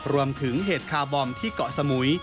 รวมถึงเหตุคาร์บอมที่เกาะสมุย